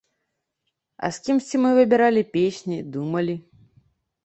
А з кімсьці мы выбіралі песні, думалі.